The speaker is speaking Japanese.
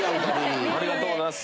ありがとうございます。